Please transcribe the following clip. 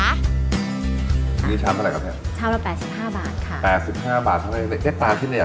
นี่ช้าเมื่อไหร่ครับแทน